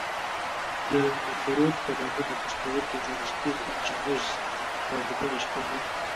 د نفرون په نامه د پښتورګي جوړښتیز او چاڼیز واحدونه شتون لري.